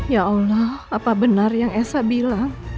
ya allah apa benar yang esa bilang